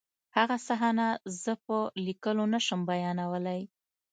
هغه صحنه زه په لیکلو نشم بیانولی